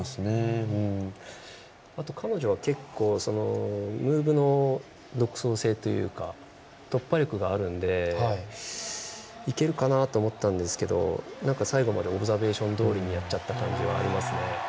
あと、彼女は結構ムーブの独創性というか突破力があるのでいけるかなと思ったんですけど最後までオブザベーションどおりやっちゃった感じがありますよね。